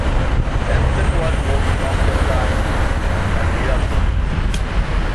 Absent were both Constantine and Heraklonas.